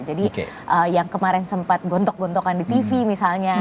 jadi yang kemarin sempat gontok gontokan di tv misalnya